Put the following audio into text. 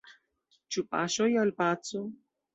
Ĉu paŝoj al paco?